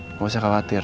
nggak usah khawatir